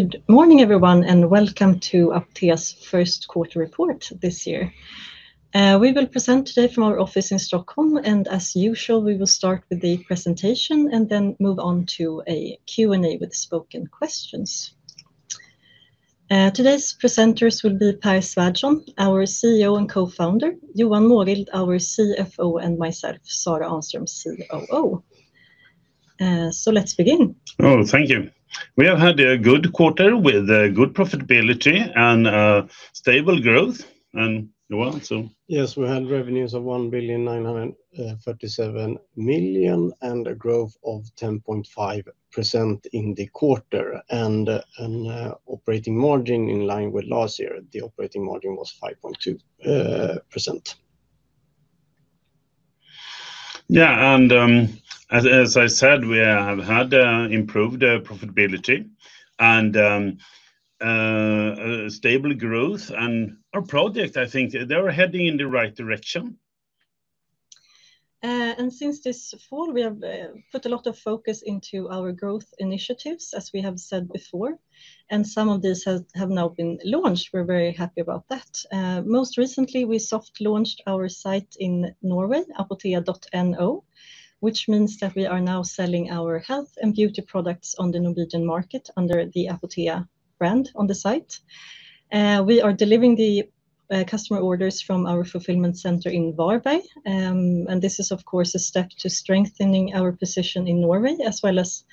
Good morning everyone, welcome to Apotea's first quarter report this year. We will present today from our office in Stockholm, and as usual, we will start with the presentation and then move on to a Q&A with spoken questions. Today's presenters will be Pär Svärdson, our CEO and Co-Founder, Johan Mårild, our CFO, and myself, Sarah Ahnström, COO. Let's begin. Oh, thank you. We have had a good quarter with good profitability and stable growth. Johan, so. Yes, we had revenues of 1.937 billion and a growth of 10.5% in the quarter and a operating margin in line with last year. The operating margin was 5.2%. Yeah, as I said, we have had improved profitability and stable growth and our project, I think they are heading in the right direction. Since this fall, we have put a lot of focus into our growth initiatives, as we have said before, and some of these have now been launched. We're very happy about that. Most recently, we soft launched our site in Norway, apotea.no, which means that we are now selling our health and beauty products on the Norwegian market under the Apotea brand on the site. We are delivering the customer orders from our fulfillment center in Varberg. This is, of course, a step to strengthening our position in Norway, as well as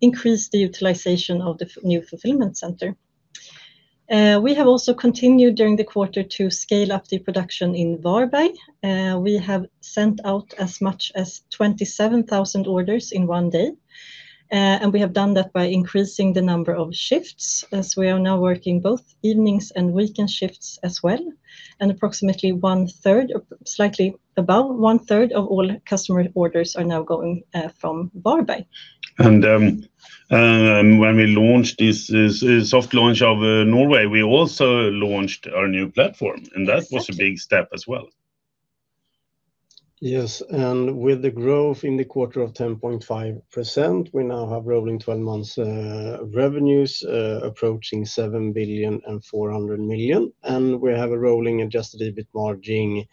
increase the utilization of the new fulfillment center. We have also continued during the quarter to scale up the production in Varberg. We have sent out as much as 27,000 orders in one day. We have done that by increasing the number of shifts as we are now working both evenings and weekend shifts as well. Approximately one-third, or slightly above one-third of all customer orders are now going from Varberg. When we launched this soft launch of Norway, we also launched our new platform, and that was a big step as well. Yes, with the growth in the quarter of 10.5%, we now have rolling 12 months revenues approaching 7.4 billion. We have a rolling adjusted EBIT margin,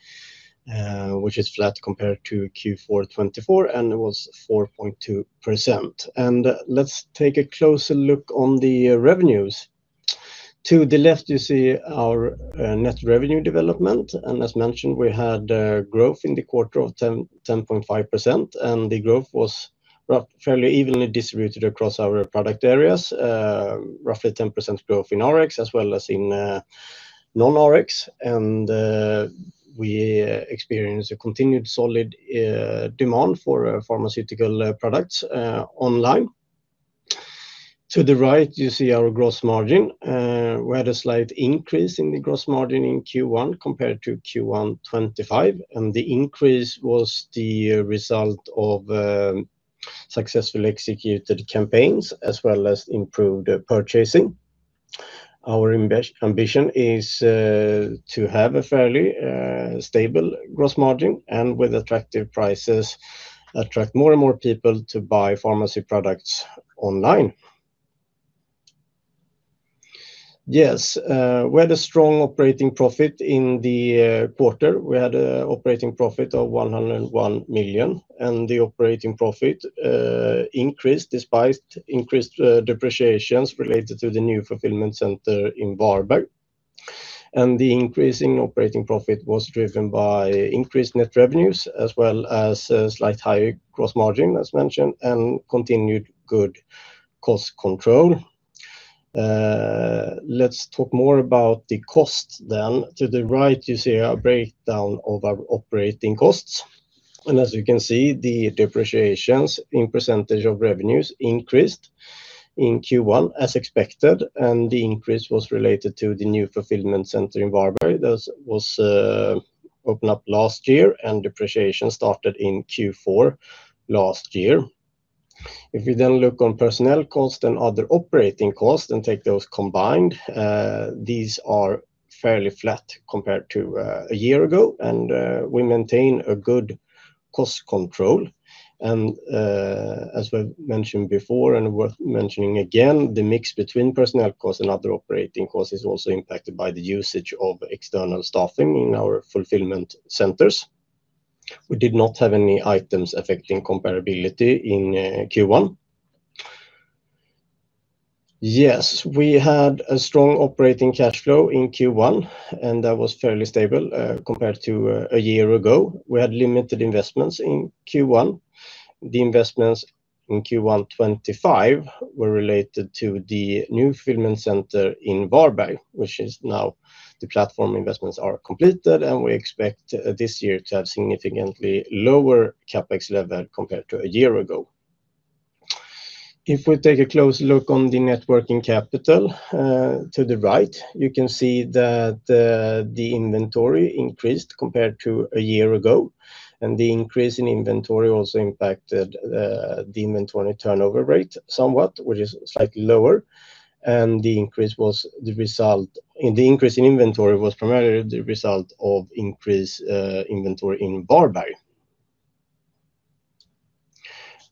which is flat compared to Q4 2024, and it was 4.2%. Let's take a closer look on the revenues. To the left, you see our net revenue development. As mentioned, we had growth in the quarter of 10.5%, and the growth was fairly evenly distributed across our product areas. Roughly 10% growth in Rx as well as in non-Rx. We experienced a continued solid demand for pharmaceutical products online. To the right, you see our gross margin. We had a slight increase in the gross margin in Q1 compared to Q1 2025. The increase was the result of successfully executed campaigns as well as improved purchasing. Our ambition is to have a fairly stable gross margin. With attractive prices, attract more and more people to buy pharmacy products online. Yes, we had a strong operating profit in the quarter. We had a operating profit of 101 million. The operating profit increased despite increased depreciations related to the new fulfillment center in Varberg. The increase in operating profit was driven by increased net revenues as well as a slight higher gross margin, as mentioned, and continued good cost control. Let's talk more about the cost then. To the right, you see a breakdown of our operating costs. As you can see, the depreciations in percentage of revenues increased in Q1 as expected and the increase was related to the new fulfillment center in Morgongåva. That was opened up last year, and depreciation started in Q4 last year. If you look on personnel cost and other operating costs and take those combined, these are fairly flat compared to a year ago, and we maintain a good cost control. As we've mentioned before and worth mentioning again, the mix between personnel cost and other operating costs is also impacted by the usage of external staffing in our fulfillment centers. We did not have any items affecting comparability in Q1. We had a strong operating cash flow in Q1 and that was fairly stable compared to a year ago. We had limited investments in Q1. The investments in Q1 2025 were related to the new fulfillment center in Varberg, which is now the platform investments are completed, and we expect this year to have significantly lower CapEx level compared to a year ago. If we take a close look on the net working capital, to the right, you can see that the inventory increased compared to a year ago, and the increase in inventory also impacted the inventory turnover rate somewhat, which is slightly lower. The increase in inventory was primarily the result of increased inventory in Varberg.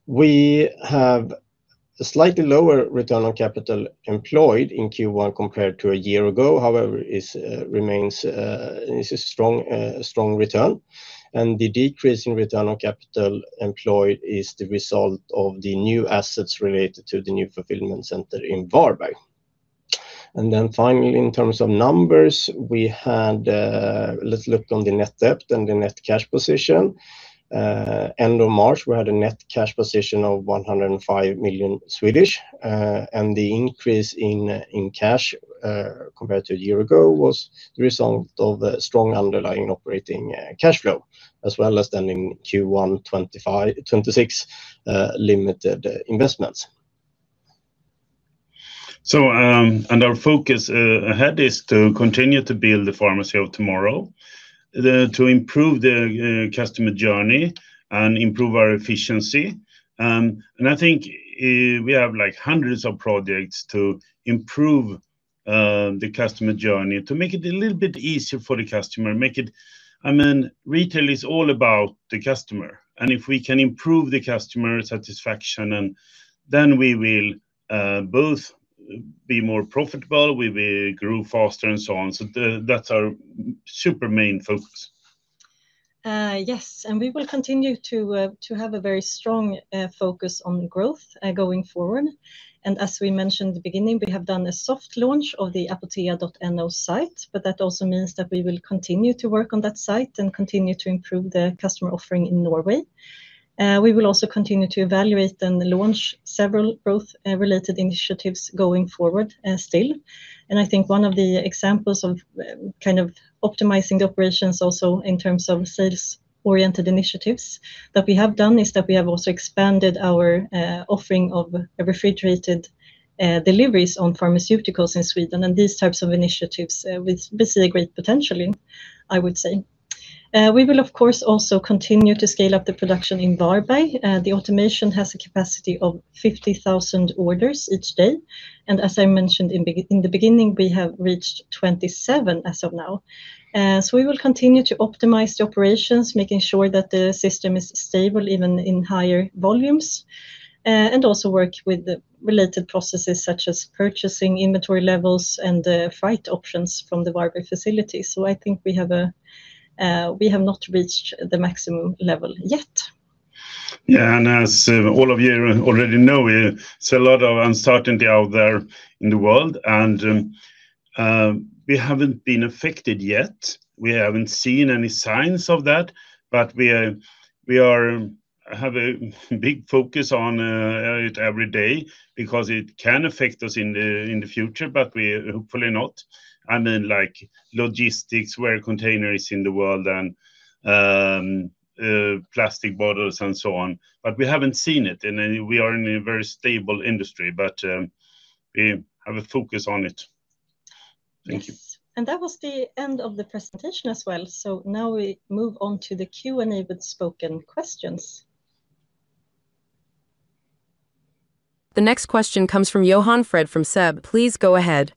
We have a slightly lower return on capital employed in Q1 compared to a year ago. However, it remains, it's a strong return. The decrease in return on capital employed is the result of the new assets related to the new fulfillment center in Varberg. Finally, in terms of numbers, we had, let's look on the net debt and the net cash position. End of March, we had a net cash position of 105 million. The increase in cash compared to a year ago was the result of a strong underlying operating cash flow, as well as then in Q1 2026, limited investments. Our focus ahead is to continue to build the pharmacy of tomorrow, to improve the customer journey and improve our efficiency. I think we have, like, hundreds of projects to improve the customer journey, to make it a little bit easier for the customer, make it. I mean, retail is all about the customer, and if we can improve the customer satisfaction, then we will both be more profitable, we will grow faster, and so on. That's our super main focus. Yes, we will continue to have a very strong focus on growth going forward. As we mentioned at the beginning, we have done a soft launch of the apotea.no site, but that also means that we will continue to work on that site and continue to improve the customer offering in Norway. We will also continue to evaluate and launch several growth-related initiatives going forward still. I think one of the examples of kind of optimizing operations also in terms of sales-oriented initiatives that we have done is that we have also expanded our offering of refrigerated deliveries on pharmaceuticals in Sweden and these types of initiatives with basically great potential in, I would say. We will of course also continue to scale up the production in Varberg. The automation has a capacity of 50,000 orders each day, and as I mentioned in the beginning, we have reached 27 as of now. We will continue to optimize the operations, making sure that the system is stable even in higher volumes, and also work with the related processes such as purchasing inventory levels and the freight options from the Varberg facility. I think, we have not reached the maximum level yet. Yeah, and as all of you already know, there's a lot of uncertainty out there in the world and we haven't been affected yet. We haven't seen any signs of that, we have a big focus on it every day because it can affect us in the future. Hopefully not. I mean, like logistics, where container is in the world and plastic bottles and so on. We haven't seen it and we are in a very stable industry. We have a focus on it. Thank you. Yes. That was the end of the presentation as well. Now we move on to the Q&A with spoken questions. The next question comes from Johan Fred from SEB. Please go ahead.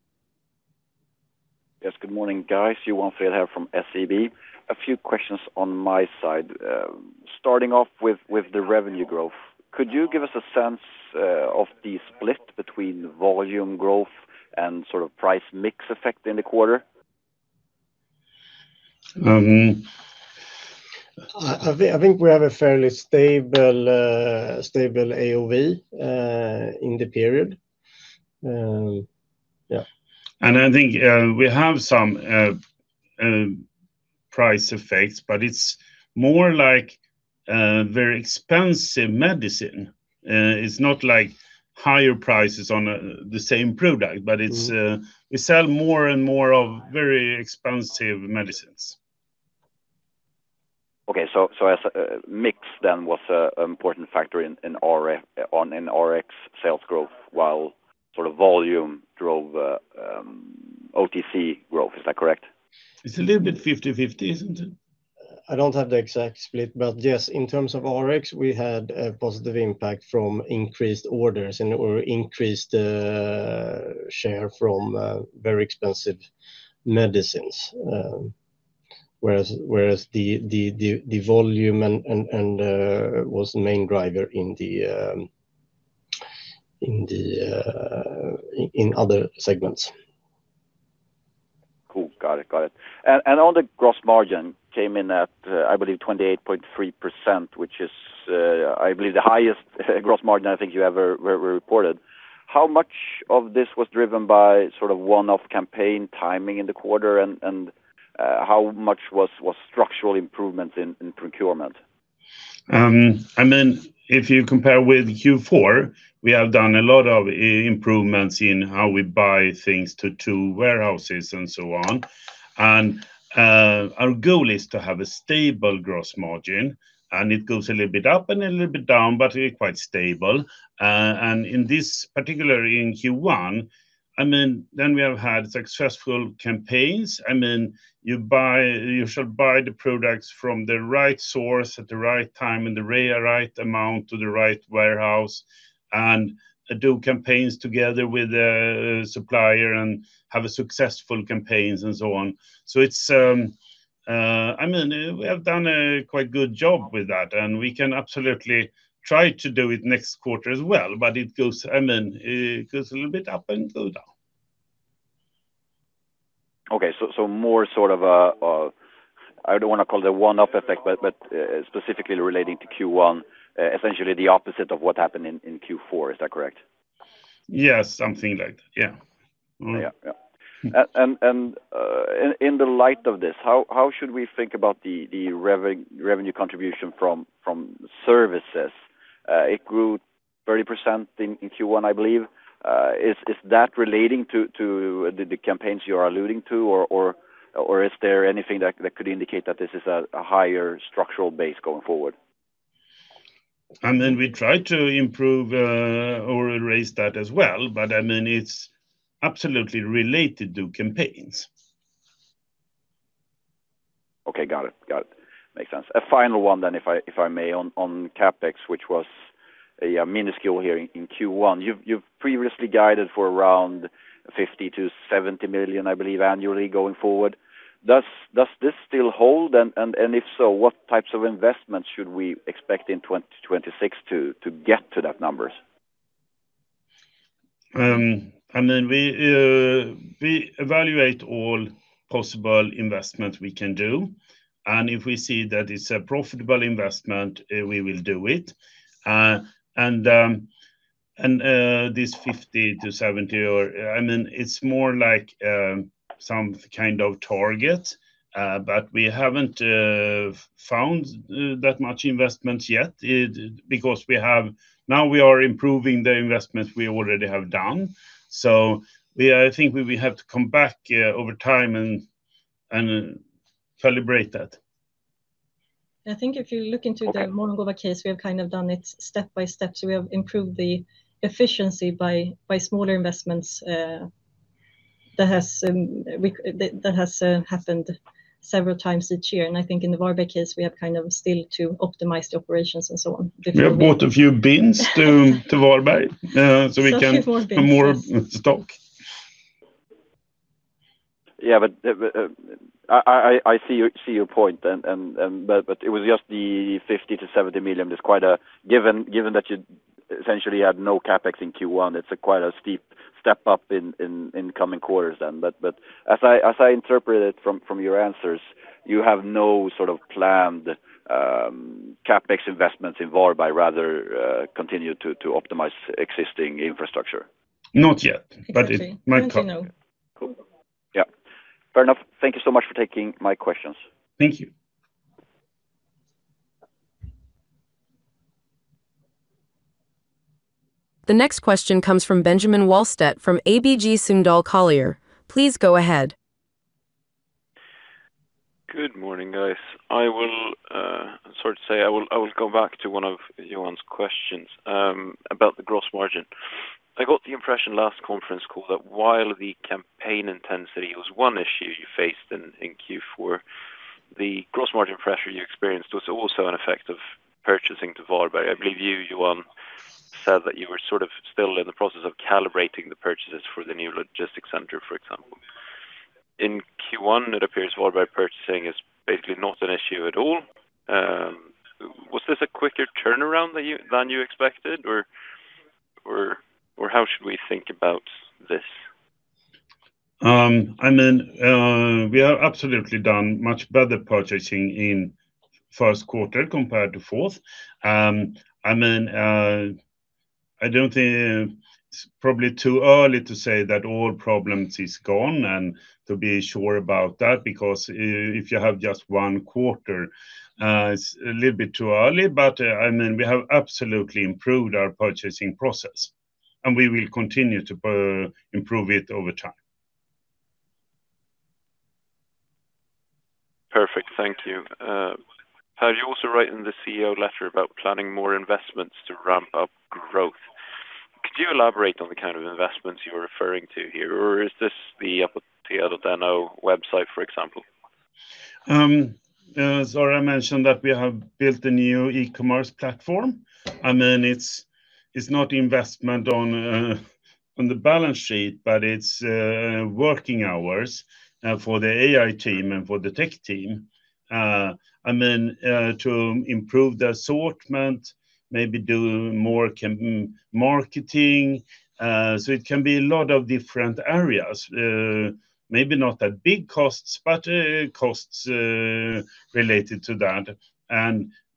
Yes. Good morning, guys. Johan Fred here from SEB. A few questions on my side. Starting off with the revenue growth, could you give us a sense of the split between volume growth and sort of price mix effect in the quarter? Um. I think we have a fairly stable AOV in the period. I think, we have some, price effects, but it's more like, very expensive medicine. It's not like higher prices on, the same product, but it's, we sell more and more of very expensive medicines. Okay. As mix then was an important factor in Rx sales growth, while sort of volume drove OTC growth. Is that correct? It's a little bit 50/50, isn't it? I don't have the exact split, yes, in terms of Rx, we had a positive impact from increased orders and/or increased share from very expensive medicines. Whereas the volume was the main driver in the other segments. Cool. Got it. Got it. On the gross margin came in at, I believe 28.3%, which is, I believe the highest gross margin I think you ever reported. How much of this was driven by sort of one-off campaign timing in the quarter and how much was structural improvement in procurement? I mean, if you compare with Q4, we have done a lot of improvements in how we buy things to warehouses and so on. Our goal is to have a stable gross margin, and it goes a little bit up and a little bit down, but we're quite stable. In this, particularly in Q1, I mean, we have had successful campaigns. I mean, you should buy the products from the right source at the right time and the right amount to the right warehouse and do campaigns together with the supplier and have successful campaigns and so on. It's, I mean, we have done a quite good job with that, and we can absolutely try to do it next quarter as well. It goes, I mean, it goes a little bit up and go down. Okay. More sort of I don't wanna call it a one-off effect, but specifically relating to Q1, essentially the opposite of what happened in Q4. Is that correct? Yes, something like that. Yeah. Yeah. Yeah. Mm-hmm. In the light of this, how should we think about the revenue contribution from services? It grew 30% in Q1, I believe. Is that relating to the campaigns you are alluding to? Or is there anything that could indicate that this is a higher structural base going forward? I mean, we try to improve, or raise that as well, but I mean, it's absolutely related to campaigns. Okay. Got it. Got it. Makes sense. A final one, if I may, on CapEx, which was minuscule here in Q1. You've previously guided for around 50 million-70 million, I believe, annually going forward. Does this still hold? If so, what types of investments should we expect in 2026 to get to that numbers? I mean, we evaluate all possible investment we can do, and if we see that it's a profitable investment, we will do it. This 50 million-70 million. I mean, it's more like some kind of target, but we haven't found that much investments yet because now we are improving the investments we already have done. I think we will have to come back over time and calibrate that. I think if you look into the Morgongåva case, we have kind of done it step by step. We have improved the efficiency by smaller investments, that has happened several times each year. I think in the Varberg case, we have kind of still to optimize the operations and so on differently. We have bought a few bins to Varberg. A few more bins. Yes put more stock. Yeah. I see your point. It was just the 50 million-70 million. Given that you essentially had no CapEx in Q1, it's quite a steep step up in coming quarters then. As I interpreted from your answers, you have no sort of planned CapEx investments in Varberg, rather, continue to optimize existing infrastructure. Not yet. Exactly. It might come. Not yet, no. Cool. Yeah. Fair enough. Thank you so much for taking my questions. Thank you. The next question comes from Benjamin Wahlstedt from ABG Sundal Collier. Please go ahead. Good morning, guys. I will sort of say I will go back to one of Johan's questions about the gross margin. I got the impression last conference call that while the campaign intensity was one issue you faced in Q4, the gross margin pressure you experienced was also an effect of purchasing to Varberg. I believe you, Johan, said that you were sort of still in the process of calibrating the purchases for the new logistics center, for example. In Q1, it appears Varberg purchasing is basically not an issue at all. Was this a quicker turnaround than you expected? Or how should we think about this? I mean, we have absolutely done much better purchasing in first quarter compared to fourth. I mean, it's probably too early to say that all problems is gone and to be sure about that, because if you have just one quarter, it's a little bit too early. I mean, we have absolutely improved our purchasing process, and we will continue to improve it over time. Perfect. Thank you. Pär, you also write in the CEO letter about planning more investments to ramp up growth. Could you elaborate on the kind of investments you're referring to here? Is this the apotea.no website, for example? Sarah mentioned that we have built a new e-commerce platform. I mean, it's not investment on the balance sheet, but it's working hours for the AI team and for the tech team, I mean, to improve the assortment, maybe do more campaign marketing. It can be a lot of different areas. Maybe not that big costs, but costs related to that.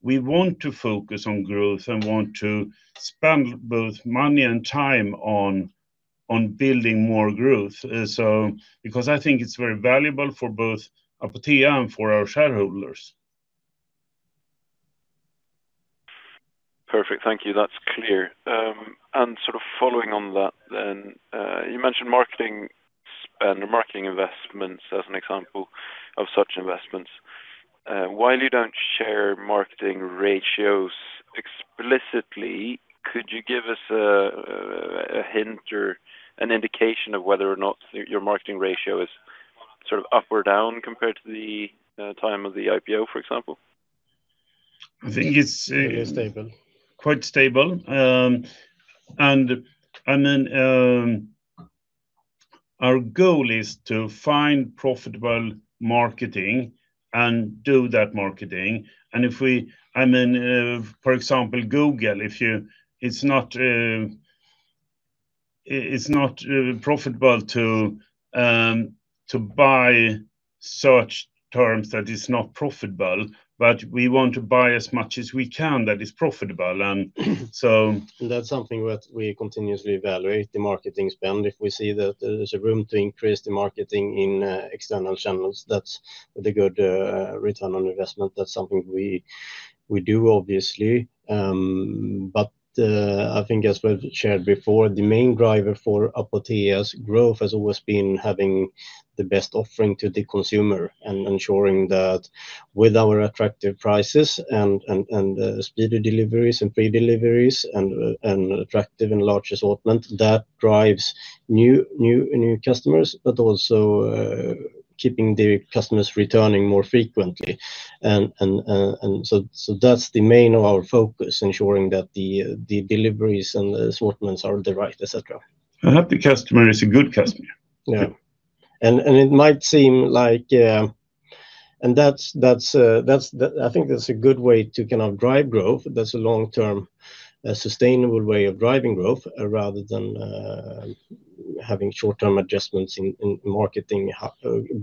We want to focus on growth and want to spend both money and time on building more growth. I think it's very valuable for both Apotea and for our shareholders. Perfect. Thank you. That's clear. Sort of following on that then, you mentioned marketing spend or marketing investments as an example of such investments. While you don't share marketing ratios explicitly, could you give us a hint or an indication of whether or not your marketing ratio is sort of up or down compared to the time of the IPO, for example? I think it's, stable. ... quite stable. I mean, our goal is to find profitable marketing and do that marketing. I mean, for example, Google, it's not profitable to buy search terms that is not profitable, but we want to buy as much as we can that is profitable. That's something that we continuously evaluate the marketing spend. If we see that there's a room to increase the marketing in external channels, that's the good Return on Investment. That's something we do obviously. I think as we've shared before, the main driver for Apotea's growth has always been having the best offering to the consumer and ensuring that with our attractive prices and speedy deliveries and free deliveries and attractive and large assortment that drives new customers but also keeping the customers returning more frequently. That's the main of our focus, ensuring that the deliveries and the assortments are the right, et cetera. A happy customer is a good customer. Yeah. It might seem like. That's, I think that's a good way to kind of drive growth. That's a long-term, sustainable way of driving growth rather than, having short-term adjustments in marketing,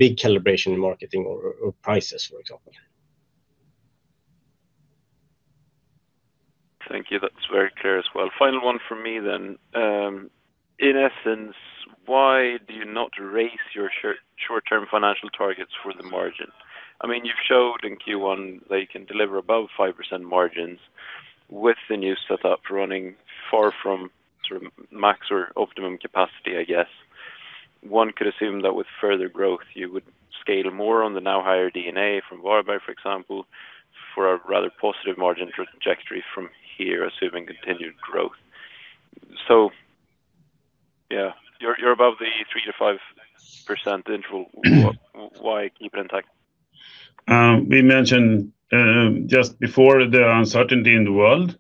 big calibration in marketing or prices, for example. Thank you. That's very clear as well. Final one for me then. In essence, why do you not raise your short-term financial targets for the margin? I mean, you've showed in Q1 that you can deliver above 5% margins with the new setup running far from sort of max or optimum capacity, I guess. One could assume that with further growth, you would scale more on the now higher D&A from Morgongåva, for example, for a rather positive margin trajectory from here, assuming continued growth. Yeah, you're above the 3%-5% interval. Why keep it intact? We mentioned, just before the uncertainty in the world,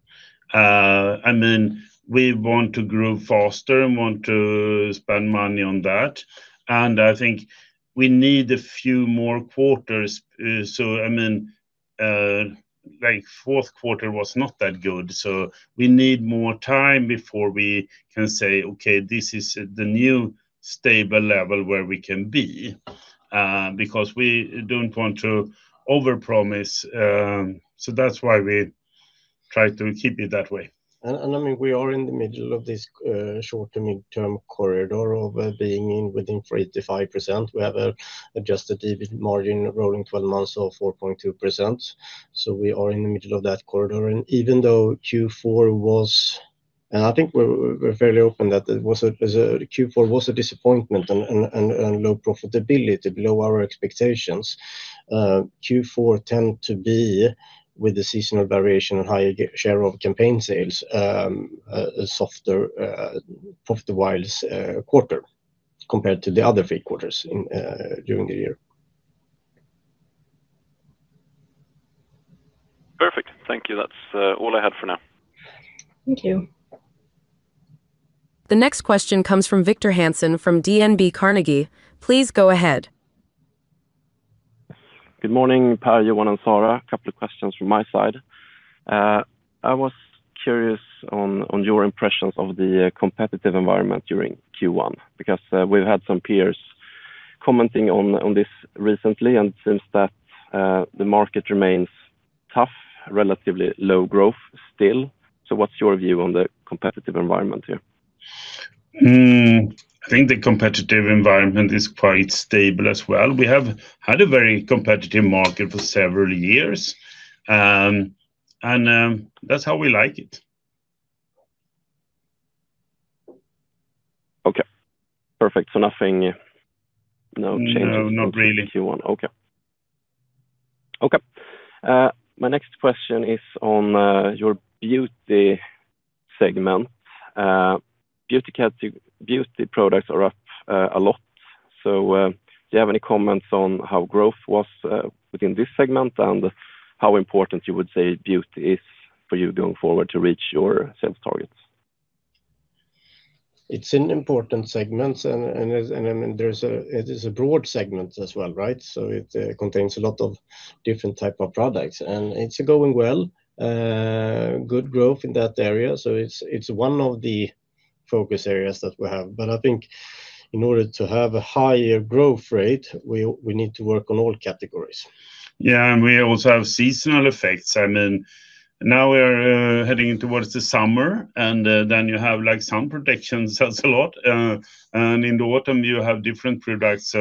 I mean, we want to grow faster and want to spend money on that, and I think we need a few more quarters. I mean, like fourth quarter was not that good, so we need more time before we can say, "Okay, this is the new stable level where we can be," because we don't want to overpromise. That's why we try to keep it that way. I mean, we are in the middle of this short to mid-term corridor of being in within 3%-5%. We have a adjusted EBIT margin rolling 12 months of 4.2%. We are in the middle of that corridor. Even though Q4 was, I think we're fairly open that Q4 was a disappointment and low profitability below our expectations. Q4 tend to be with the seasonal variation and higher share of campaign sales, a softer profit-wise quarter compared to the other three quarters in during the year. Perfect. Thank you. That's all I had for now. Thank you. The next question comes from Victor Hansen from DNB Carnegie. Please go ahead. Good morning, Pär, Johan, and Sarah. A couple of questions from my side. I was curious on your impressions of the competitive environment during Q1, because we've had some peers commenting on this recently, and since that, the market remains tough, relatively low growth still. What's your view on the competitive environment here? I think the competitive environment is quite stable as well. We have had a very competitive market for several years, that's how we like it. Okay, perfect. Nothing, no change. No, not really. Q1. Okay. Okay. My next question is on your beauty segment. Beauty products are up a lot. Do you have any comments on how growth was within this segment and how important you would say beauty is for you going forward to reach your sales targets? It's an important segment, I mean, it is a broad segment as well, right? It contains a lot of different type of products, and it's going well. Good growth in that area. It's one of the focus areas that we have. I think in order to have a higher growth rate, we need to work on all categories. Yeah. We also have seasonal effects. I mean, now we're heading towards the summer, and then you have like sun protection sells a lot. In the autumn, you have different products.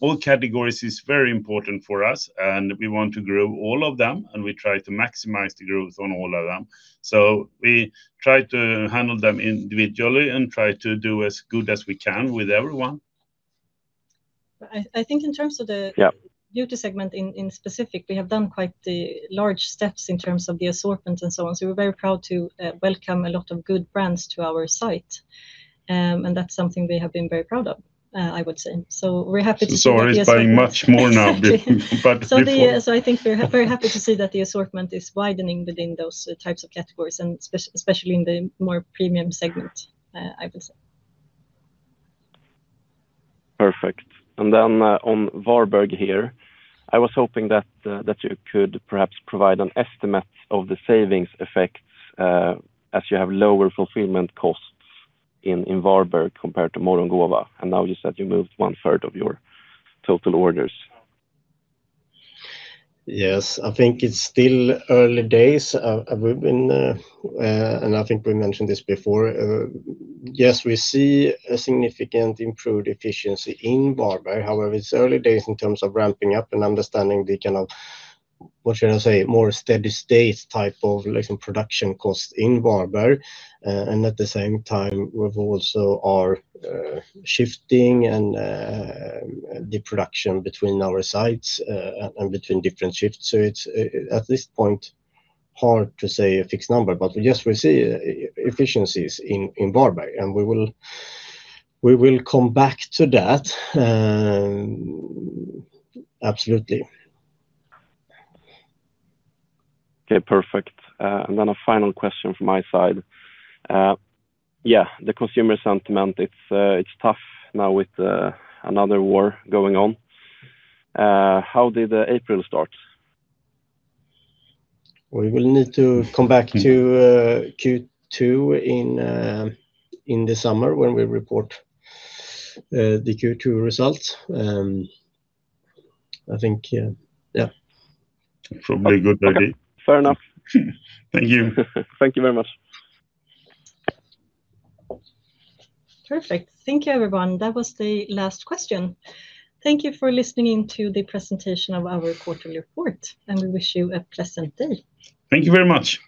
All categories is very important for us, and we want to grow all of them, and we try to maximize the growth on all of them. We try to handle them individually and try to do as good as we can with everyone. I think in terms of. Yeah ... beauty segment in specific, we have done quite the large steps in terms of the assortment and so on. We're very proud to welcome a lot of good brands to our site. That's something we have been very proud of, I would say. We're happy to see that the assortment- Sarah is buying much more now but before. I think we're very happy to see that the assortment is widening within those types of categories and especially in the more premium segment, I would say. Perfect. On Varberg here, I was hoping that you could perhaps provide an estimate of the savings effects as you have lower fulfillment costs in Varberg compared to Morgongåva. Now you said you moved one third of your total orders. Yes. I think it's still early days. We've been, and I think we mentioned this before. Yes, we see a significant improved efficiency in Varberg. However, it's early days in terms of ramping up and understanding the kind of, what should I say, more steady state type of like production cost in Varberg. At the same time, we've also been shifting and the production between our sites, and between different shifts. It's at this point, hard to say a fixed number, but yes, we see efficiencies in Varberg, and we will come back to that. Absolutely. Okay, perfect. A final question from my side. Yeah, the consumer sentiment, it's tough now with another war going on. How did April start? We will need to come back to Q2 in the summer when we report the Q2 results. I think, yeah. Probably a good idea. Fair enough. Thank you. Thank you very much. Perfect. Thank you, everyone. That was the last question. Thank you for listening to the presentation of our quarterly report, and we wish you a pleasant day. Thank you very much.